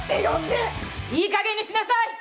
いいかげんにしなさい！